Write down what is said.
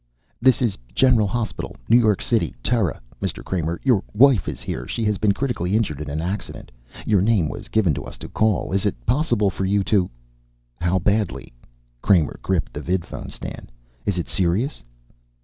"This is General Hospital, New York City, Terra. Mr. Kramer, your wife is here. She has been critically injured in an accident. Your name was given to us to call. Is it possible for you to " "How badly?" Kramer gripped the vidphone stand. "Is it serious?"